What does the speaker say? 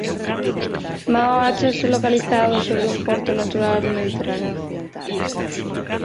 Maó áchase localizado sobre un porto natural do Mediterráneo occidental.